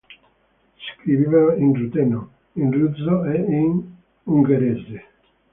Scriveva in ruteno, in russo e in ungherese.